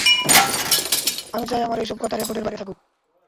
আমি চাই আমার এইসব কথা রেকর্ডের বাইরে থাকুক।